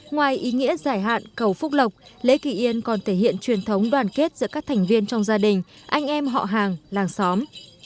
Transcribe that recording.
ngoài ý nghĩa giải hạn cầu phúc lộc lễ kỳ yên còn thể hiện truyền thống đoàn kết giữa các thành viên trong gia đình anh em họ hàng làng xóm